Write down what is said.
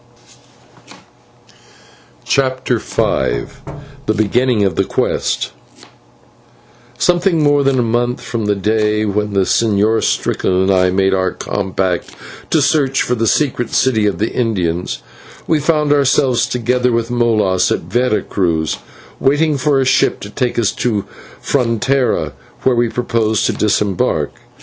CHAPTER V THE BEGINNING OF THE QUEST Something more than a month from the day when the Señor Strickland and I made our compact to search for the secret city of the Indians, we found ourselves, together with Molas, at Vera Cruz, waiting for a ship to take us to Frontera, where we proposed to disembark.